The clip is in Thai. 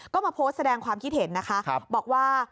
ก็มาโพสต์แสดงความคิดเห็นนะคะบอกว่า